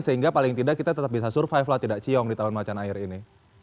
sehingga paling tidak kita tetap bisa survive lah tidak ciong di tahun macan air ini